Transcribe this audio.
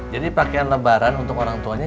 jadi pakaian lebaran untuk orang tuanya